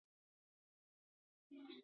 筑波是大日本帝国海军的巡洋战舰。